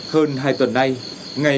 hơn hai tuần nay